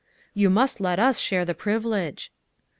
"You must let us share the privilege."